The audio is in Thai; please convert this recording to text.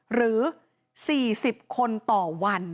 หรือ๔๐คนต่อวัน